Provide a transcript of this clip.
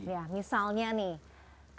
ya misalnya nih